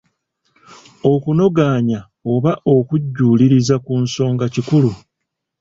Okunogaanya oba okujjuuliriza ku nsonga kikulu.